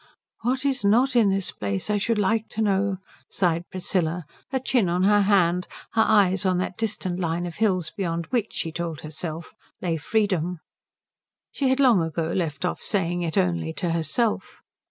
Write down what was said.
"What is not in this place, I should like to know?" sighed Priscilla, her chin on her hand, her eyes on that distant line of hills beyond which, she told herself, lay freedom. She had long ago left off saying it only to herself.